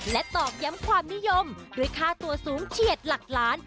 และตอกย้ำความนิยมด้วยค่าตัวสูงเฉียดหลักล้าน